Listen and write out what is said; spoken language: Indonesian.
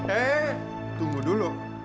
eh tunggu dulu